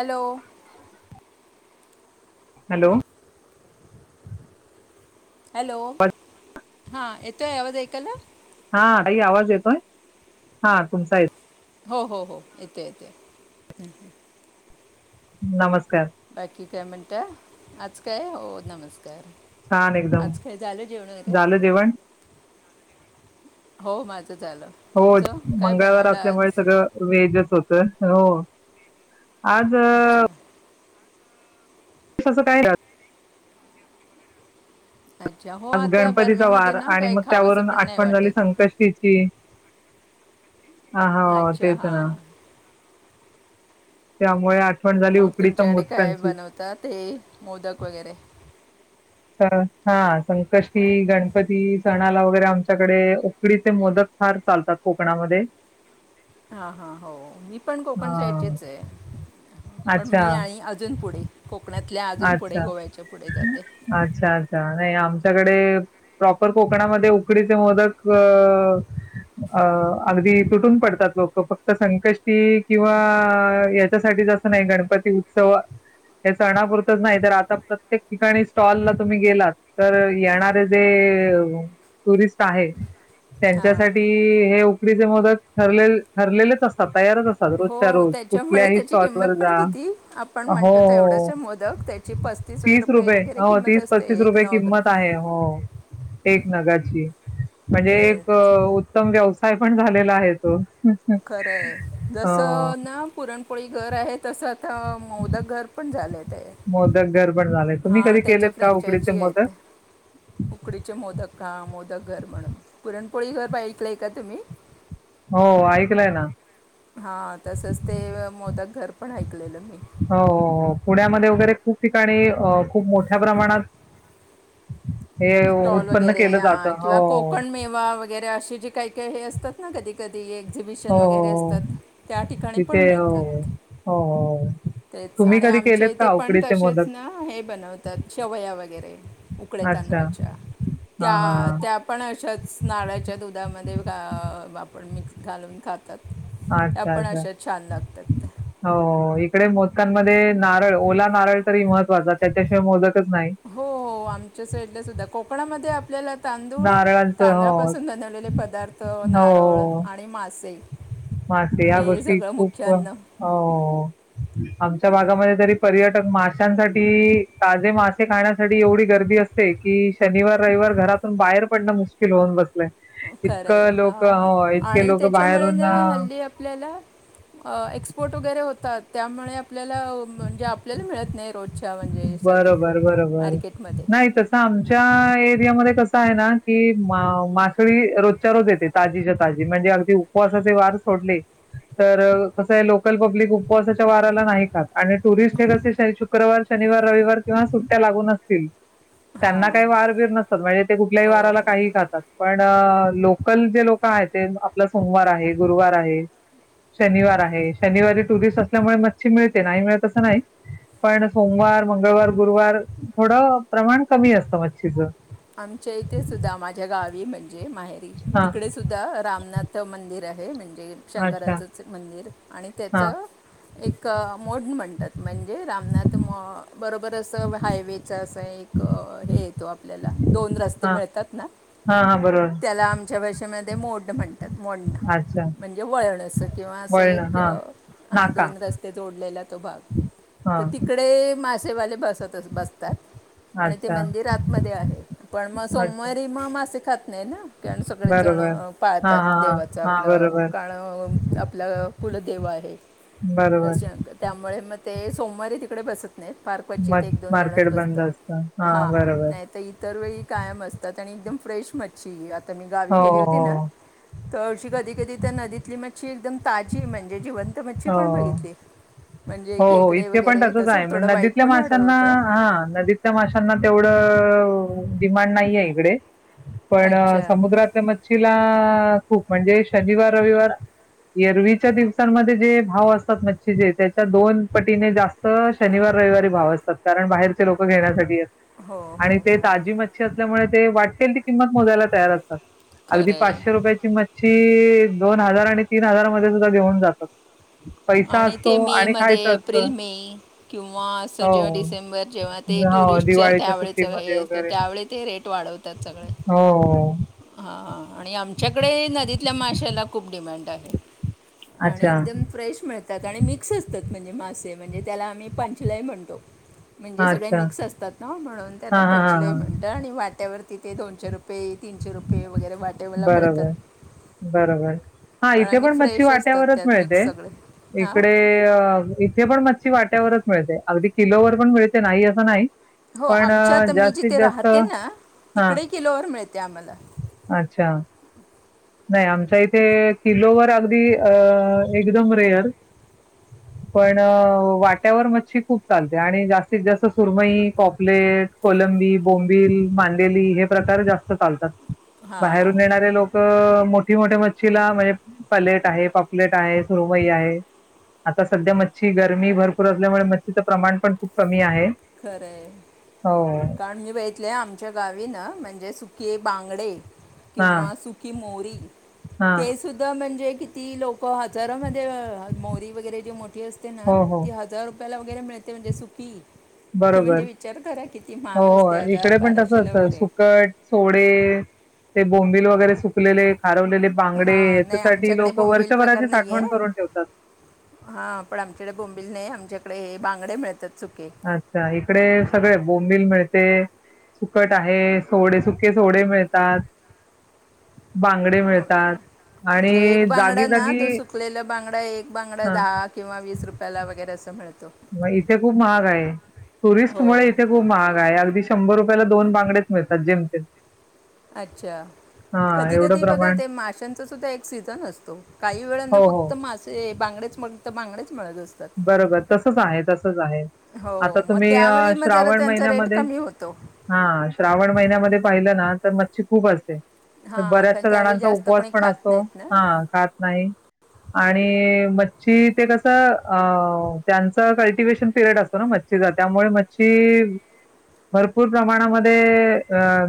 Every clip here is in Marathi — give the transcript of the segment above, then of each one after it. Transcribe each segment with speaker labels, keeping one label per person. Speaker 1: हॅलो!
Speaker 2: हॅलो!
Speaker 1: हॅलो!
Speaker 2: आवाज
Speaker 1: हा येतोय आवाज ऐकायला.
Speaker 2: हा ताई आवाज येतोय, हा तुमचा येतोय.
Speaker 1: हो हो हो, येतोय येतोय.
Speaker 2: नमस्कार!
Speaker 1: बाकी काय म्हणताय? आज काय हो, नमस्कार!
Speaker 2: छान एकदम
Speaker 1: आज काय झालं जेवण वगैरे?
Speaker 2: झालं जेवण
Speaker 1: हो, माझ झाल.
Speaker 2: हो मंगळवार असल्यामुळे सगळं वेजच होत हो‌. आज
Speaker 1: अच्छा
Speaker 2: कशाचं काय राहत
Speaker 1: राज जाव
Speaker 2: आज गणपतीचा वार आणि मग त्यावरून
Speaker 1: पण नाही
Speaker 2: आठवण झाली
Speaker 1: वाटत
Speaker 2: संकष्टीची. अं हो
Speaker 1: अच्छा
Speaker 2: तेच
Speaker 1: हां
Speaker 2: ना. त्यामुळे आठ
Speaker 1: मग तुमच्याकडे काय बनवतात ते मोदक वगैरे
Speaker 2: कर हा संकष्टी, गणपती सणाला वगैरे आमच्याकडे उकडीचे मोदक फार चालतात कोकणामध्ये.
Speaker 1: हां हां हो मी पण
Speaker 2: हा
Speaker 1: कोकण साईटचीच आहे. पण
Speaker 2: अच्छा
Speaker 1: मी आणि अजून पुढे कोकणातल्या अजून
Speaker 2: अच्छा
Speaker 1: पुढे गोव्याच्या पुढे जाते.
Speaker 2: अच्छा! अच्छा! नाही आमच्याकडे प्रॉपर कोकणामध्ये उकडीचे मोदक अ अ अगदी तुटून पडतात लोक. ते फक्त संकष्टी किंवा याच्यासाठीचं असं नाही गणपती उत्सव हे सणापूर तच नाही तर आता प्रत्येक ठिकाणी स्टॉलला तुम्ही गेलात तर येणारे जे टुरिस्ट आहे.
Speaker 1: हां
Speaker 2: त्यांच्यासाठी हे उकडीचे मोदक ठरले ठरलेलेच असतात. तयारच असतात. रोजच्या
Speaker 1: हो
Speaker 2: रोज
Speaker 1: त्याच्यामुळे
Speaker 2: कुठल्याही
Speaker 1: त्याची
Speaker 2: स्टॉल
Speaker 1: किंमत
Speaker 2: वर
Speaker 1: पण
Speaker 2: जा
Speaker 1: किती आपण
Speaker 2: हो
Speaker 1: म्हणतो
Speaker 2: हो हो.
Speaker 1: तेवढ्याचे मोदक ते
Speaker 2: तीस रुपये हो तीस, पस्तीस
Speaker 1: एक
Speaker 2: रुपये
Speaker 1: नग
Speaker 2: किंमत आहे हो. एक नगाची म्हणजे
Speaker 1: ते
Speaker 2: एक उत्तम व्यवसाय पण झालेला आहे तो.
Speaker 1: खरंय जस
Speaker 2: हो,
Speaker 1: ना पुरणपोळी घर आहे तसच आता मोदक घर पण झालंय ते.
Speaker 2: मोदक घरबण झालय. तुम्ही
Speaker 1: हां
Speaker 2: कधी
Speaker 1: त्याच्या
Speaker 2: केलेत का उकडीचे
Speaker 1: फ्रँचायची
Speaker 2: मोदक?
Speaker 1: आहेत उकडीचे मोदक का मोदक घर म्हणून, पुरणपोळी घर बा ऐकलंय का तुम्ही?
Speaker 2: हो ऐकलंय ना.
Speaker 1: हां तसच ते मोदक घर पण ऐकलेलं मी.
Speaker 2: हो पुण्यामध्ये वगैरे खूप ठिकाणी अ खूप मोठ्या प्रमाणात हे
Speaker 1: स्टॉल
Speaker 2: उत्पन्न
Speaker 1: वगैरे
Speaker 2: केलं जातं.
Speaker 1: हं किंवा
Speaker 2: हो,
Speaker 1: कोकण मेवा वै वगैरे अशी जे काही काही हे असतात. कधी कधी
Speaker 2: हो,
Speaker 1: एक्झिबिशन वगैरे
Speaker 2: हो.
Speaker 1: असतात त्या ठिकाणी पण
Speaker 2: तिथे हो,
Speaker 1: मिळतात.
Speaker 2: हो हो.
Speaker 1: तेच
Speaker 2: तुम्ही
Speaker 1: आणि
Speaker 2: कधी
Speaker 1: आमच्या
Speaker 2: केलेत
Speaker 1: इथे
Speaker 2: का
Speaker 1: पण
Speaker 2: उकडीचे
Speaker 1: तसेच
Speaker 2: मोदक?
Speaker 1: ना हे बनवतात शेवया वगैरे उकड्या
Speaker 2: अच्छा.
Speaker 1: तांदळाच्या
Speaker 2: हां,
Speaker 1: त्या
Speaker 2: हां,
Speaker 1: त्या पण अशाच नारळाच्या दुधामध्ये मिक्स घालून खातात.
Speaker 2: हां.
Speaker 1: त्या
Speaker 2: अच्छा,
Speaker 1: पण
Speaker 2: अच्छा.
Speaker 1: अशा छान लागतात.
Speaker 2: हो इकडे मोदकांमध्ये नारळ ओला नारळ तरी महत्त्वाचा त्याच्याशिवाय मोदकच नाही.
Speaker 1: हो हो आमच्या साईडला सुद्धा कोकणामध्ये आपल्याला तांदूळ
Speaker 2: नारळांचं हो,
Speaker 1: तांदळापासून बनवलेले पदार्थ नारळ
Speaker 2: हो,
Speaker 1: आणि मासे
Speaker 2: मासे या
Speaker 1: हे
Speaker 2: गोष्टी
Speaker 1: सगळं मुख्य
Speaker 2: खूप अ
Speaker 1: अन्न
Speaker 2: आमच्या भागामध्ये तरी पर्यटक माशांसाठी ताजे मासे खाण्यासाठी एवढी गर्दी अस ते की शनिवार, रविवार घरातून बाहेर पडणं मुश्किल होऊन बसलंय.
Speaker 1: खरं
Speaker 2: इतकं
Speaker 1: आहे
Speaker 2: लोक
Speaker 1: हां
Speaker 2: हो इतके
Speaker 1: आणि
Speaker 2: लोक
Speaker 1: त्याच्यामुळे ज्या हल्दी आपल्याला एक्सपोर्ट वगैरे होतात त्यामुळे आपल्याला म्हणजे आपल्याला मिळत नाही रोजच्या म्हणजेसाठी
Speaker 2: बरोबर, बरोबर.
Speaker 1: मार्केटमध्ये
Speaker 2: नाही तसं आमच्या एरियामध्ये कसं आहे ना की मा-मासोळी रोजच्या रोज येते. ताजीच्या ताजी म्हणजे अगदी उपवासाचे वार सोडले तर कसं आहे लोकल पब्लिक उपवासाच्या वाराला नाही खात आणि टुरिस्ट हे कसे शुक्रवार शनिवार, रविवार किंवा सुट्ट्या लागून असतील
Speaker 1: हां
Speaker 2: त्यांना काही वार बिर नसतात म्हणजे ते कुठल्याही
Speaker 1: हो
Speaker 2: वाराला
Speaker 1: हो
Speaker 2: काही खातात. पण लोकल जे लोक आहेत ते आपलं सोमवार आहे गुरुवार आहे. शनिवार आहे शनिवारी टुरिस्ट असल्यामुळे मच्छी मिळते नाही मिळत असं नाही पण सोमवार, मंगळवार, गुरुवार थोडं प्रमाण कमी असतं मच्छीचं.
Speaker 1: आमच्या इथे सुद्धा माझ्या गावी म्हणजे माहेरी
Speaker 2: हा
Speaker 1: तिकडे सुद्धा काय रामनाथ मंदिर आहे म्हणजेच
Speaker 2: अच्छा
Speaker 1: शंकराचंच मंदिर आणि
Speaker 2: हा
Speaker 1: त्याचं एक मोड म्हणतात म्हणजे रामनाथ मो-बरोबर असं हायवेचं असं एक एक हे येतो आपल्याला दोन रस्ते
Speaker 2: हा
Speaker 1: मिळतात ना
Speaker 2: हा हा बरोबर
Speaker 1: त्याला आमच्या भाषेमध्ये मोड म्हणतात. त्यात मोंड
Speaker 2: अच्छा
Speaker 1: म्हणजे वळण असं किंवा असं
Speaker 2: वळण
Speaker 1: एक
Speaker 2: हा
Speaker 1: हा दोन रस्ते जोडलेला तो भाग. तर
Speaker 2: हां.
Speaker 1: तिकडे मासेवाले बसत बसतात आणि ते
Speaker 2: अच्छा
Speaker 1: मंदिर आतमध्ये आहे. पण मग
Speaker 2: अच्छा
Speaker 1: सोमवारी म मासे खात नाही ना कारण सगळेच जण
Speaker 2: बरोबर हा
Speaker 1: पाळतात
Speaker 2: हा
Speaker 1: देवाचं
Speaker 2: हा हा
Speaker 1: आपलं
Speaker 2: बरोबर
Speaker 1: कारण आपलं कुलदेव आहेत.
Speaker 2: बरोबर.
Speaker 1: त्यामुळे मग ते सोमवारी तिकडे बसत नाही फार क्वचित ते
Speaker 2: मग
Speaker 1: एक, दोन जणच
Speaker 2: मार्केट बंद
Speaker 1: बसतात
Speaker 2: असतं हा
Speaker 1: हां
Speaker 2: बरोबर
Speaker 1: नाहीत. ते इतर वेळी कायम असतात आणि एकदम फ्रेश मच्छी आता मी गावी
Speaker 2: हो
Speaker 1: गेले होते ना
Speaker 2: हो
Speaker 1: तर अशी कधी कधी तर नदीतली मच्छी एकदम ताजी म्हणजे जिवंत मच्छी
Speaker 2: हो
Speaker 1: पण बघितली आहे.
Speaker 2: हो हो इथे पण तसच आहे
Speaker 1: वाईट
Speaker 2: नदीतल्या
Speaker 1: पण वाढत
Speaker 2: माशांना
Speaker 1: होतं
Speaker 2: हां नदीत त्या माशांना तेवढं डिमांड नाहीये इकडे पण
Speaker 1: अच्छा
Speaker 2: समुद्रात त्या मच्छीला खूप म्हणजे शनिवार, रविवार येरवीच्या दिवसांमध्ये जे भाव असतात मच्छीचेे तर दोन पटीने जास्त शनिवार, रविवारी भाव असतात कारण बाहेरचे लोक घेण्यासाठी येतात.
Speaker 1: हो
Speaker 2: आणि
Speaker 1: हो
Speaker 2: ते
Speaker 1: हो
Speaker 2: ताजी मच्छी असल्यामुळे ते वाटेल ती किंमत मोजायला तयार असतात. अगदी
Speaker 1: खरं आहे
Speaker 2: पाचशे रुपयाची मच्छी दोन हजार आणि तीन हजार मध्ये सुद्धा घेऊन जातात. पैसा
Speaker 1: आणि
Speaker 2: असतो आणि
Speaker 1: ते मेमध्ये
Speaker 2: खायचं असतं
Speaker 1: एप्रिल, मे किंवा असं
Speaker 2: हो
Speaker 1: जेव्हा डिसेंबर जेव्हा ते
Speaker 2: हो
Speaker 1: टुरिस्ट
Speaker 2: दिवाळीच्या
Speaker 1: त्यावेळेच घाई
Speaker 2: सुट्टीमध्ये
Speaker 1: असतो
Speaker 2: वगैरे
Speaker 1: त्यावेळी ते रेट वाढवतात. त्यांच्याकड हाय.
Speaker 2: हो.
Speaker 1: हां आणि आमच्याकडे नदीतल्या माशाला खूप डिमांड आहे. आणि
Speaker 2: अच्छा
Speaker 1: एकदम फ्रेश मिळतात आणि मिक्स असतात म्हणजे मासे म्हणजे त्याला आम्ही पंचलई म्हणतो. म्हणजे सगळे
Speaker 2: अच्छा
Speaker 1: मिक्स असतात ना म्हणून त्यांना
Speaker 2: हां हां हां
Speaker 1: पंचलय
Speaker 2: हां
Speaker 1: म्हणतो आणि वाट्यावरती ते दोनशे रुपये तीनशे रुपये वगैरे वाट
Speaker 2: बरोबर बरोबर. हां इथे
Speaker 1: आणि
Speaker 2: पण मच्छी
Speaker 1: फ्रेश असतात
Speaker 2: वाट्यावरच
Speaker 1: त्यात मिक्स
Speaker 2: मिळते
Speaker 1: सगळे हां
Speaker 2: इकडे ते पण मच्छी वाट्यावरच मिळते अगदी किलोवर पण मिळते नाही असं नाही.
Speaker 1: हो
Speaker 2: पण
Speaker 1: आमच्या
Speaker 2: अ,
Speaker 1: आता मी
Speaker 2: जास्तीत
Speaker 1: जिथे
Speaker 2: जास्त
Speaker 1: राहते ना
Speaker 2: हां,
Speaker 1: तिकडे किलोवर मिळते आम्हाला.
Speaker 2: अच्छा! नाही आमच्या इथे किलोवर अगदी अ एकदम रेअर
Speaker 1: [inaudible]
Speaker 2: पण वाट्यावर मच्छी खूप चालते आणि जास्तीत जास्त सुरमई पापलेट कोलंबी, बोंबिल, मांडेेली हे प्रकार जास्त चालतात
Speaker 1: हां
Speaker 2: बाहेरून येणारे लोक मोठी मोठ्या मच्छीला म्हणजे पलेट आहे पापलेट आहे सुरुमई आहे. आता सध्या मच्छी गरमी भरपूर असल्यामुळे मच्छीचं प्रमाण पण खूप कमी आहे.
Speaker 1: खरंय
Speaker 2: हो.
Speaker 1: कारण ही तीथे आमच्या गावी ना म्हणजे सुके बांगडे
Speaker 2: हां,
Speaker 1: किंवा सुकी मोहरी
Speaker 2: हां.
Speaker 1: ते सुद्धा म्हणजे किती लोकं हजारामध्ये मोहरी वगैरे जी मोठी असते ना
Speaker 2: हो, हो.
Speaker 1: ती हजार रुपयाला वगैरे मिळते म्हणजे सुक्की
Speaker 2: बरोबर हो हो
Speaker 1: असते हजार
Speaker 2: इकडे पण तस
Speaker 1: बाराशेला
Speaker 2: असत
Speaker 1: वगैरे
Speaker 2: सुकट सोडे ते बोंबिल वगैरे सुक कलेले, खारवलेले बांगडे
Speaker 1: हां नाही
Speaker 2: याच्यासाठी
Speaker 1: आमच्याकडे
Speaker 2: लोक
Speaker 1: बोंबील
Speaker 2: वर्षभराची
Speaker 1: प्रकार नाही
Speaker 2: साठवण
Speaker 1: आहे
Speaker 2: करून ठेवतात.
Speaker 1: हां पण आमच्याकडे बोंबिल नाही आमच्याकडे हे बांगडे मिळतात सुके.
Speaker 2: अच्छा! इकडे सगळे बोंबिल मिळते. सुकट आहे सोडे सुके सोडे मिळतात.
Speaker 1: [inaudible]
Speaker 2: बांगडे मिळतात.
Speaker 1: म्हणजे एक
Speaker 2: आणि जागी
Speaker 1: बांगडा ना तो
Speaker 2: जागी
Speaker 1: सुकलेला बांगडा एक बांगडा
Speaker 2: अ
Speaker 1: दहा किंवा वीस रुपयाला वगैेरे असा मिळतो.
Speaker 2: मग इथे खूप महाग आहे. टुरिस्ट
Speaker 1: हो
Speaker 2: मुळे इथे खूप महाग आहे, अगदी शंभर रुपयाला दोन बांगडेच मिळतात जेमतेम‌
Speaker 1: अच्छा! कधी
Speaker 2: एवढं
Speaker 1: कधी बघा
Speaker 2: प्रमाण
Speaker 1: ते माशांचा सुद्धा एक सीझन असतो काही वेळांना
Speaker 2: हो हो
Speaker 1: फक्त मासे ते बांगडेच मग तीथे बांगडेच मिळत अस
Speaker 2: बरोबर तसच आहे तसच आहे. आता
Speaker 1: हो मग
Speaker 2: तुम्ही
Speaker 1: त्यावेळी मग जरा
Speaker 2: श्रावण
Speaker 1: त्यांचा रेट
Speaker 2: महिन्यामध्ये
Speaker 1: कमी होतो
Speaker 2: हां श्रावण महिन्यामध्ये पाहिलं ना तर मच्छी खूप असते.
Speaker 1: हां कारण
Speaker 2: बऱ्याचशा
Speaker 1: त्यावेळी
Speaker 2: जणांचा
Speaker 1: जास्त
Speaker 2: उपवास
Speaker 1: कोणी
Speaker 2: पण
Speaker 1: खात
Speaker 2: असतो
Speaker 1: नाहीत ना
Speaker 2: हा खात नाही. आणि मच्छी ते कसं अ त्यांचं कल्टिवे्शन पिरियड असतो ना मच्छीचा त्यामुळे मच्छी भरपूर प्रमाणामध्ये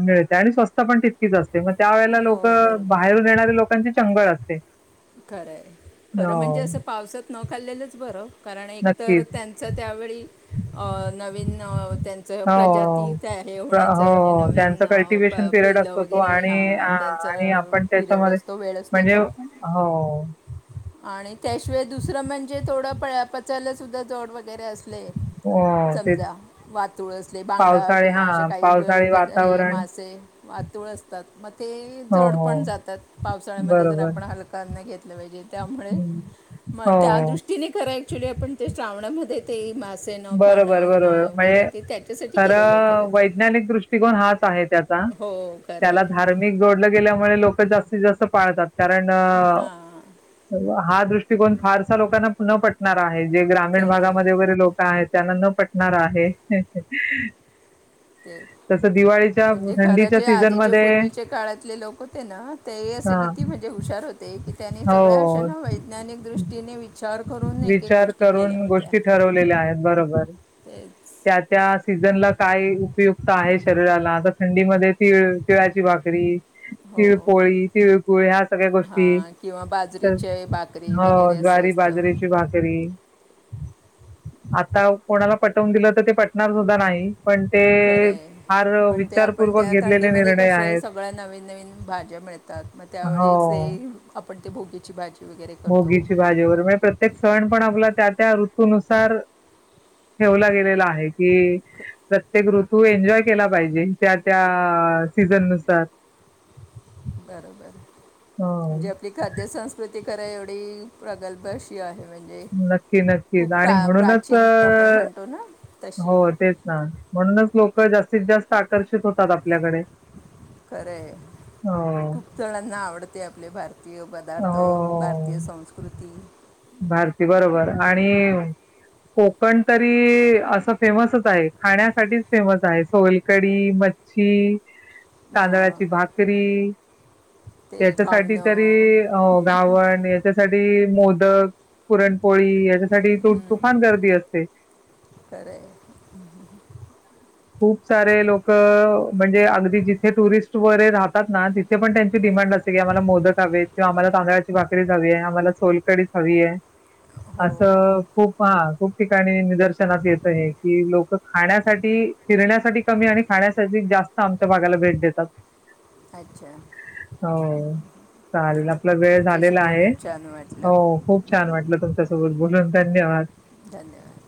Speaker 2: मिळते आणि स्वस्त पण तितकीच असते मग त्यावेेळेला
Speaker 1: हो
Speaker 2: लोक
Speaker 1: बरोबर
Speaker 2: बाहेरून येणारे लोकांचे चंगळ असते.
Speaker 1: खरं आहे खरं म्हणजे
Speaker 2: हो,
Speaker 1: असं पावसात न खाल्लेलंच बरं. कारण एकतर
Speaker 2: नक्कीच.
Speaker 1: त्यांचं त्यावेळी अ नवीन त्यांचं प्रजाती
Speaker 2: हो.
Speaker 1: काय हे
Speaker 2: प्र
Speaker 1: होण्याच म्हणजे
Speaker 2: हो, त्यांचा
Speaker 1: नवीन
Speaker 2: कल्टिव्हेशन पिरियड
Speaker 1: पिल्लं
Speaker 2: असतो तो
Speaker 1: वगैरे
Speaker 2: आणि
Speaker 1: हां
Speaker 2: आ,
Speaker 1: त्यांचा
Speaker 2: आणि आपण
Speaker 1: पिरियड
Speaker 2: त्याच्यामध्ये
Speaker 1: असतो वेळ असतो
Speaker 2: म्हणजे
Speaker 1: तो
Speaker 2: हो.
Speaker 1: आणि त्याशिवाय दुसरं म्हणजे थोडं प पचायला सुद्धा जड वगैरे असले
Speaker 2: हो, तेच
Speaker 1: समजा वातुळ असले बांगडा
Speaker 2: पावसाळी
Speaker 1: किंवा अशे
Speaker 2: हां,
Speaker 1: काही
Speaker 2: पावसाळी
Speaker 1: गळपद आहे
Speaker 2: वातावरण
Speaker 1: मासे वातूळ असतात मग ते
Speaker 2: हो,
Speaker 1: जड
Speaker 2: हो,
Speaker 1: पण जातात पावसाळ्यामध्ये तर
Speaker 2: बरोबर.
Speaker 1: आपण हलक अन्न घेतलं पाहिजे. त्यामुळे
Speaker 2: हं.
Speaker 1: त्या
Speaker 2: हो,
Speaker 1: दृष्टीने खरय ऍक्च्युली आपण ते श्रावणामध्ये ते मासे ते न खान
Speaker 2: बरोबर, बरोबर.
Speaker 1: वगैरे
Speaker 2: म्हणजे
Speaker 1: ते त्याच्यासाठी केलेलं आहे खर
Speaker 2: खरं
Speaker 1: तर.
Speaker 2: वैज्ञानिक दृष्टिकोन हाच आहे त्याचा.
Speaker 1: हो खर हाय.
Speaker 2: त्याला धार्मिक जोडलं गेल्यामुळे लोक जास्तीत जास्त पाळतात कारण
Speaker 1: हां
Speaker 2: हा दृष्टिकोन फारसा लोकांना न पटणार आहे, जे ग्रामीण
Speaker 1: खरं आहे
Speaker 2: भागामध्ये वगैरे लोक काय त्यांना न पटणार आहे.
Speaker 1: ते.
Speaker 2: तसं दिवाळीच्या
Speaker 1: म्हणजे खरं
Speaker 2: थंडीच्या
Speaker 1: जे
Speaker 2: सीझन
Speaker 1: आधीचे
Speaker 2: मध्ये
Speaker 1: पूर्वीचे काळातले लोक होते ना, तेही असे कि ती म्हणजे हुशार होते की, त्याने सगळ्या अशा
Speaker 2: हो
Speaker 1: ना वैज्ञानिक दृष्टीने विचार करून एक एक
Speaker 2: विचार
Speaker 1: गोष्टी केल्या
Speaker 2: करून
Speaker 1: होत्या
Speaker 2: गोष्टी ठरवलेल्या आहेत बरोबर.
Speaker 1: तेच
Speaker 2: त्या त्या सीझनला काय उपयुक्त आहे शरीराला, आता थंडीमध्ये तिळ तिळाची भाकरी
Speaker 1: हो
Speaker 2: तिळपोळी, तिळगुळ ह्या सगळ्या गोष्टी
Speaker 1: हां किंवा
Speaker 2: तर
Speaker 1: बाजरीचे भाकरी
Speaker 2: हो
Speaker 1: वगैरे असं
Speaker 2: ज्वारी,
Speaker 1: असतं
Speaker 2: बाजरीेची भाकरी आता कोणाला पटवून दिलं तर, ते पटणार सुद्धा नाही. पण ते
Speaker 1: खरंय
Speaker 2: फार
Speaker 1: पण ते आपण
Speaker 2: विचारपूर्वक
Speaker 1: त्या
Speaker 2: घेतलेले
Speaker 1: थंडीमध्ये
Speaker 2: निर्णय
Speaker 1: कशा
Speaker 2: आहेत
Speaker 1: सगळ्या नवीन नवीन भाज्या मिळतात. मग
Speaker 2: हो
Speaker 1: त्यावेळीस ते आपण ते भोगीची भाजी वगैरे करतो
Speaker 2: भोगीची भाजी वर म प्र त्येक सण पण आपला त्या त्या ऋतूनुसार ठेवला गेलेला आहे कि प्रत्येक ऋतू एन्जॉय केला पाहिजे, त्या त्या सीझन नुसार
Speaker 1: बरोबर
Speaker 2: हो
Speaker 1: म्हणजे आपली खाद्यसंस्कृती खरय एवढी प्रगल्भ अशी आहे म्हणजे
Speaker 2: नक्की
Speaker 1: खूप
Speaker 2: नक्कीच आणि
Speaker 1: प्रा
Speaker 2: म्हणूनच
Speaker 1: प्राचीन आपण म्हणतो ना तशी
Speaker 2: नाही म्हणूनच लोक जास्तीत जास्त आकर्षित होतात आपल्याकडे.
Speaker 1: खरंय
Speaker 2: हो
Speaker 1: खूप जणांना आवडते आपले भारतीय
Speaker 2: हो
Speaker 1: पदार्थ
Speaker 2: हो,
Speaker 1: भारतीय संस्कृती
Speaker 2: भारती बरोबर आणि कोकण तरी असं फेमसच आहे खाण्यासाठीच फेमस आहे सोलकडी हं हं.
Speaker 1: [inaudible]
Speaker 2: तांदळाची भाकरी
Speaker 1: ते
Speaker 2: त्याच्यासाठी
Speaker 1: घावणं
Speaker 2: तरी अ गावण याच्यासाठी मोदक पुरणपोळी याच्यासाठी त-तुफान गर्दी असते.
Speaker 1: हम्म हम्म हं.
Speaker 2: खूप सारे लोक म्हणजे अगदी जिथे टुरिस्ट वगैरे राहात ना पण त्यांची डिमांड असते की आम्हाला मोदक हवे आहेत, किंवा आम्हाला तांदळाची भाकरीच हवी आहे, आम्हाला सोलकडीच हवी आहे
Speaker 1: हो हो
Speaker 2: असं. खूप हा खूप ठिकाणी निदर्शनास येत आहे की लोक खाण्यासाठी फिरण्यासाठी कमी आणि खाण्यासाठी जास्त आमच्या भागाला भेट देतात.
Speaker 1: अच्छा!
Speaker 2: हो चालेल आपला वेळ
Speaker 1: तुमच्याशी
Speaker 2: झालेला आहे
Speaker 1: बोलून छान
Speaker 2: हो
Speaker 1: वाटलं
Speaker 2: खूप खूप छान वाटलं तुमच्यासोबर बोलून धन्यवाद!
Speaker 1: धन्यवाद!